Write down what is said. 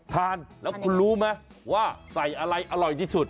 ทานแล้วคุณรู้ไหมว่าใส่อะไรอร่อยที่สุด